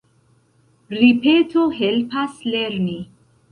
Ripeto helpas lerni.